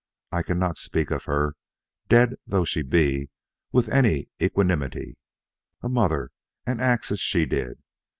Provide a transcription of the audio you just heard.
I cannot speak of her, dead though she be, with any equanimity. A mother and act as she did!